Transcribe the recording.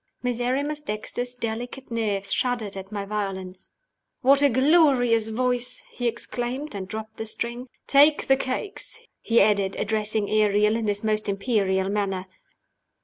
Miserrimus Dexter's delicate nerves shuddered at my violence. "What a glorious voice!" he exclaimed and dropped the string. "Take the cakes," he added, addressing Ariel in his most imperial manner.